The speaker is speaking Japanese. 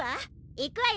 いくわよ！